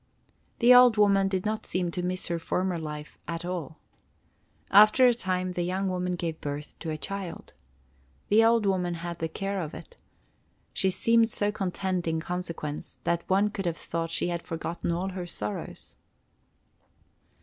The old woman did not seem to miss her former life at all. After a time the young wife gave birth to a child. The old woman had the care of it; she seemed so content in consequence that one could have thought she had forgotten all her sorrows.